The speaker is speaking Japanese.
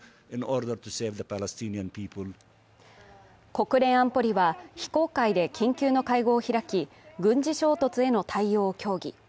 国連安保理は、非公開で緊急の会合を開き軍事衝突への対応を協議。